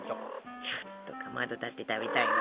ちょっとかまどだって食べたいわ。